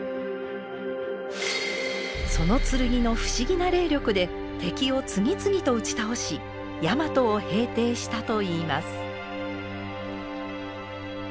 その剣の不思議な霊力で敵を次々と打ち倒しやまとを平定したといいます。